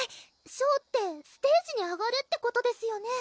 ショーってステージに上がるってことですよね？